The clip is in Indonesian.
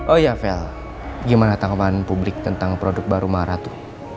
oh ya fel gimana tanggapan publik tentang produk baru marath